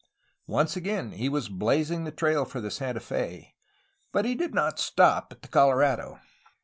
Once again he was blazing the trail for the Santa Fe, but he did not stop at the Colorado.